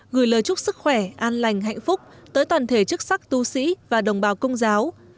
gửi lời chúc sức khỏe an lành hạnh phúc tới toàn thể chức sắc tu sĩ và đồng bào công giáo